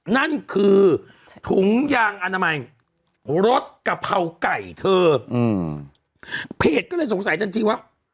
นั่นคือถุงยางอนามัยรสกะเพราไก่เธออืมเพจก็เลยสงสัยทันทีว่า